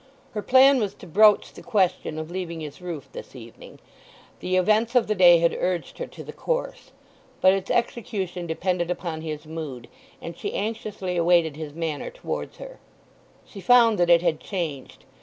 Her plan was to broach the question of leaving his roof this evening; the events of the day had urged her to the course. But its execution depended upon his mood, and she anxiously awaited his manner towards her. She found that it had changed.